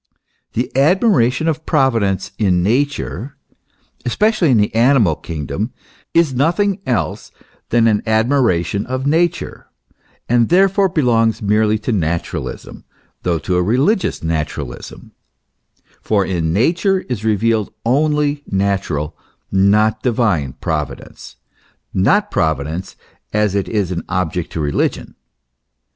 The admiration of Providence in Nature, especially in the animal kingdom, is nothing else than an admiration of Nature, and therefore belongs merely to naturalism, though to a religious naturalism ;f for in Nature is revealed only natural, not divine Providence not Pro vidence as it is an object to religion.